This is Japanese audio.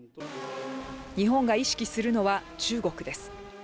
日本が意識するのは中国です。